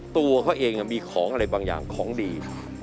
ตัวเขาเองมีของอะไรบางอย่างของดี